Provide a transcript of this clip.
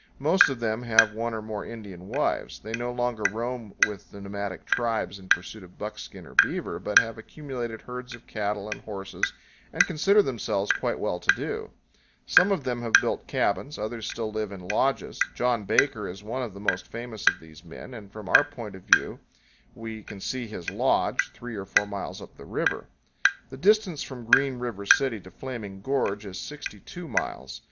Most of them have one or more Indian wives. They no longer roam with the nomadic tribes in pursuit of buckskin or beaver, but have accumulated herds of cattle and horses, and consider themselves quite well to do. Some of them have built cabins; others FROM GREEN RIVER CITY TO FLAMING GORGE. 131 still live in lodges. John Baker is one of the most famous of these men, and from our point of view we can see his lodge, three or four miles up the river. The distance from Green River City to Flaming Gorge is 62 miles.